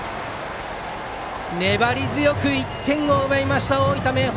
粘り強く１点を奪いました大分・明豊。